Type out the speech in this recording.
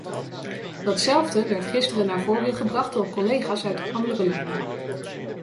Datzelfde werd gisteren naar voren gebracht door collega's uit andere landen.